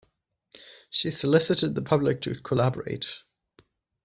She solicited the public to collaborate.